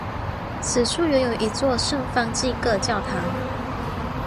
此处原有一座圣方济各教堂。